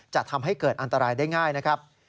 จะทำให้เกิดอันตรายได้ง่ายนะครับ